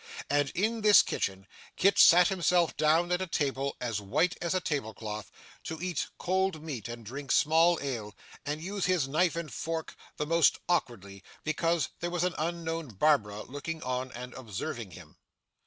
And in this kitchen, Kit sat himself down at a table as white as a tablecloth, to eat cold meat, and drink small ale, and use his knife and fork the more awkwardly, because there was an unknown Barbara looking on and observing him.